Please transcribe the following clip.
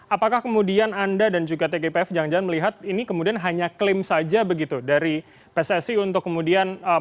apakah kemudian anda dan juga tgpf jangan jangan melihat ini kemudian hanya klaim saja begitu dari pssi untuk kemudian